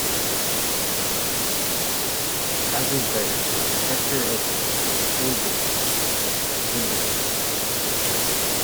Basil Berridge, rector of Alderchurch, Lincolnshire.